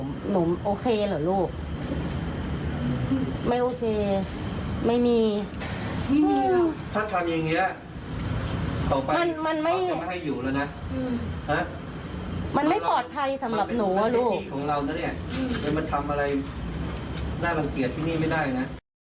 มันไม่ได้ที่ของเรานะเนี่ยมันทำอะไรน่ารังเกียจที่นี่ไม่ได้นะ